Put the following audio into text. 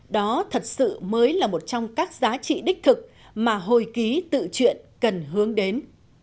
đó thật sự mới là một trong các giá trị đích thực mà hồi ký tự chuyện cần hướng đến